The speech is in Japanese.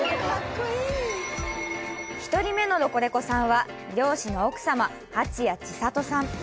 １人目のロコレコさんは、漁師の奥さま、蜂谷千里さん。